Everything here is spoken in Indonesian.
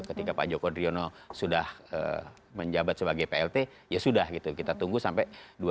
ketika pak joko driono sudah menjabat sebagai plt ya sudah gitu kita tunggu sampai dua ribu dua puluh